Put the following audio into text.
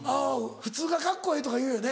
普通がカッコええとかいうよね。